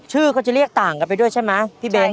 ชื่อเขาจะเรียกต่างกันไปด้วยใช่ไหมพี่เบ้น